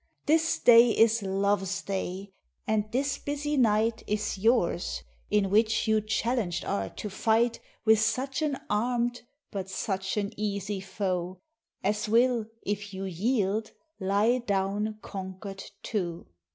This day is Loves day ; and this busie night Is yours, in which you challenged are to fight With such an arm'd, but such an easie Foe, As will if you yeeld, lye down conquered too.